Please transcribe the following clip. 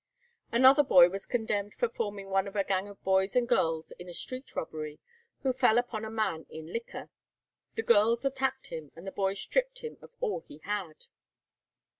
Another boy was condemned for forming one of a gang of boys and girls in a street robbery, who fell upon a man in liquor. The girls attacked him, and the boys stripped him of all he had.